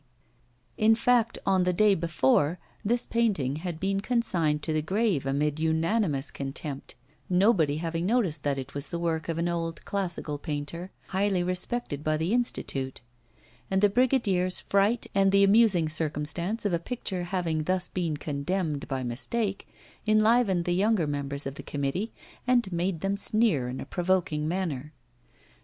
In fact, on the day before, this painting had been consigned to the grave amid unanimous contempt, nobody having noticed that it was the work of an old classical painter highly respected by the Institute; and the brigadier's fright, and the amusing circumstance of a picture having thus been condemned by mistake, enlivened the younger members of the committee and made them sneer in a provoking manner.